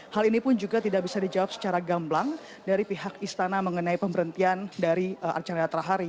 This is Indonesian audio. hal ini pun juga tidak bisa dijawab secara gamblang dari pihak istana mengenai pemberhentian dari archandra thari